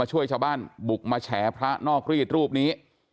ช่วยชาวบ้านบุกมาแฉพระนอกรีดรูปนี้